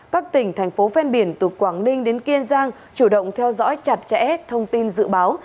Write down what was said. các tỉnh thành phố ven biển từ quảng ninh đến kiên giang chủ động theo dõi chặt chẽ thông tin dự báo